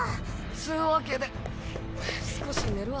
つぅわけで少し寝るわ。